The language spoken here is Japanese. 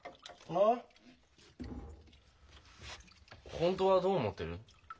本当はどう思ってる？